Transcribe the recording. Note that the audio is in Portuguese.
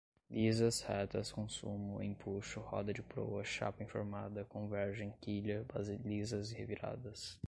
lisas, retas, consumo, empuxo, roda de proa, chapa enformada, convergem, quilha, balizas reviradas